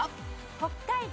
北海道。